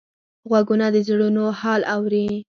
غوږونه د زړونو حال اوري